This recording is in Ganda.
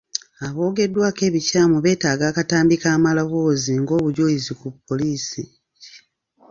Aboogeddwako ebikyamu beetaaga akatambi k'amaloboozi ng'obujulizi ku poliisi.